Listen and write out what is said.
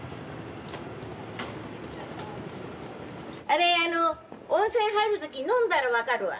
あれあの温泉入る時飲んだら分かるわ。